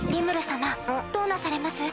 様どうなされます？